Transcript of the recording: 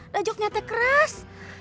dan joknya teh keras